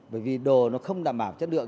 bởi vì đồ nó không đảm bảo chất lượng